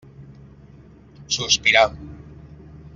Sospirà.